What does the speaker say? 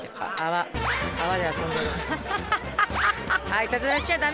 いたずらしちゃ駄目！